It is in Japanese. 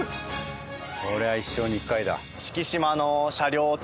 これは一生に一回だ。